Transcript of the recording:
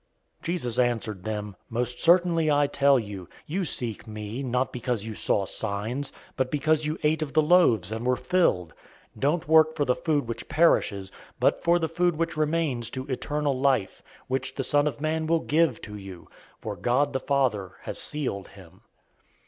006:026 Jesus answered them, "Most certainly I tell you, you seek me, not because you saw signs, but because you ate of the loaves, and were filled. 006:027 Don't work for the food which perishes, but for the food which remains to eternal life, which the Son of Man will give to you. For God the Father has sealed him."